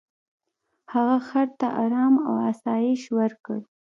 هغه خر ته ارام او آسایش ورکړ.